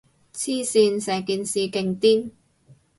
黐線，成件事勁癲